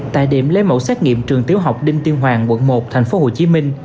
tại điểm lấy mẫu xét nghiệm trường tiểu học đinh tiên hoàng quận một tp hcm